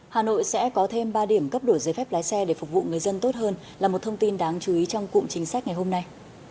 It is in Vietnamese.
hà nội sẽ có thêm ba điểm cấp đổi giấy phép lái xe để phục vụ người dân tốt hơn là một thông tin đáng chú ý trong cụm chính sách ngày hôm nay